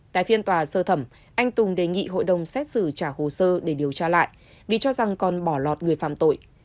tại phiên tòa sơ thẩm anh tùng đề nghị hội đồng xét xử trả hồ sơ để điều tra lại vì cho rằng còn bỏ lọt người phạm tội